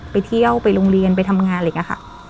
ไปเที่ยวไปโรงเรียนไปทำงานเลยค่ะ